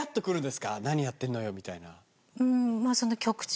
「何やってんのよ」みたいな。